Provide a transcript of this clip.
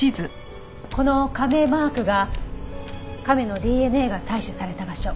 この亀マークが亀のＤＮＡが採取された場所。